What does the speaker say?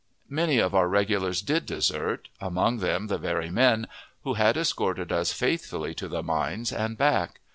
Many of our regulars did desert, among them the very men who had escorted us faithfully to the mines and back.